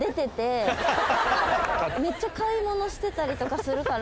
めっちゃ買い物してたりとかするから。